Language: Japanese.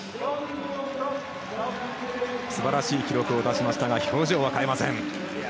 すばらしい記録を出しましたが表情は変えません。